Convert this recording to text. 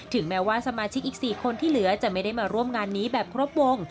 แม้ว่าสมาชิกอีก๔คนที่เหลือจะไม่ได้มาร่วมงานนี้แบบครบวง